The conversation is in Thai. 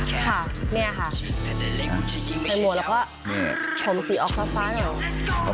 ค่ะค่ะใส่หมวกแล้วชมสีออกเท้าท้าแล้ว